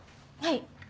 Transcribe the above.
はい。